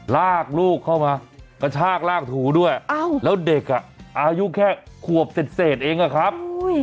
ลากลูกเข้ามากระชากลากถูด้วยแล้วเด็กอ่ะอายุแค่ขวบเศษเองอะครับ